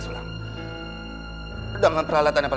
saya kena bawa pandicam